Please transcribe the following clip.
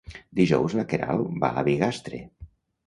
Dijous na Queralt va a Bigastre.